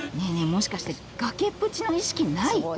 もしかして崖っぷちの意識ない？